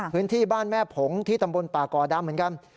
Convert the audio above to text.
พื้นที่บ้านแม่ผงที่ตำบลป่าก่อดำเหมือนกัน